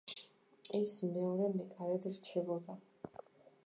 ის მეორე მეკარედ რჩებოდა.